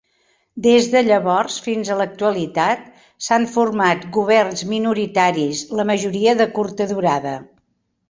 Des de llavors fins a l'actualitat, s'han format governs minoritaris, la majoria de curta durada.